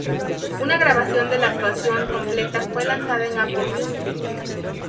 Una grabación de la actuación completa fue lanzada en Apple Music.